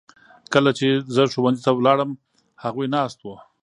کله چې زه ښوونځي ته لاړم هغوی ناست وو.